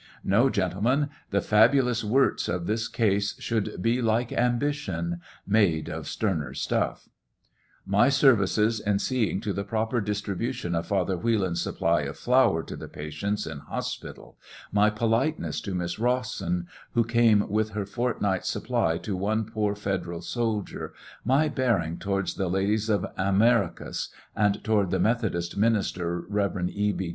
No, gentlemen, the fabulous Wirz of this case shoul be like ambition, " made of sterner stuff " My services in seeing to the proper distribution of Father Whelan's snppl of flour to the patients in hospital, my politeness to Miss Rawson, who cam with her fortnight's supply to one poor federal soldier, my bearing towards th ladies of Amerious, and toward the Methodist minister, Rev. E. B.